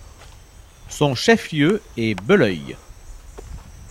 Son chef-lieu est Belœil.